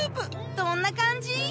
どんな感じ？